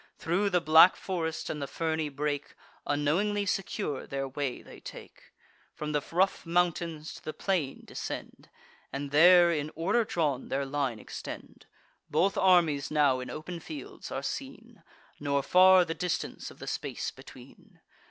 Thro' the black forest and the ferny brake, Unknowingly secure, their way they take; From the rough mountains to the plain descend, And there, in order drawn, their line extend. Both armies now in open fields are seen; Nor far the distance of the space between.